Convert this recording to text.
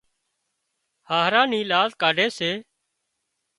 هاهرا نِي لاز ڪاڍي سي